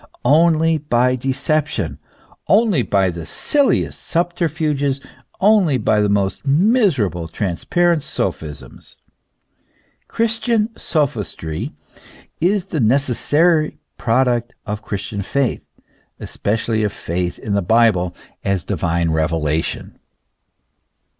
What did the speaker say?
Only by self deception, only by the silliest subter fuges, only by the most miserable, transparent sophisms. Christian sophistry is the necessary product of Christian faith, especially of faith in the Bible as a divine revelation.